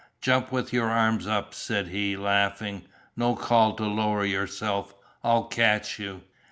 "Jump with your arms up," said he, laughing, "no call to lower yourself. I'll catch you."